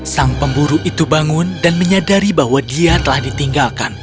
sang pemburu itu bangun dan menyadari bahwa dia telah ditinggalkan